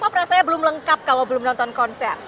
fans kpop rasanya belum lengkap kalau belum nonton konser